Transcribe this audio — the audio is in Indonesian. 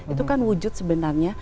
itu kan wujud sebenarnya